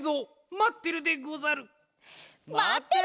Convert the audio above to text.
まってるでござる！